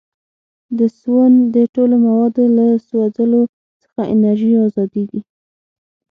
د سون د ټولو موادو له سوځولو څخه انرژي ازادیږي.